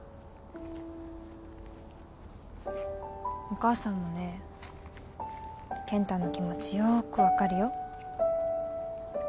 お母さんもね健太の気持ちよく分かるよ。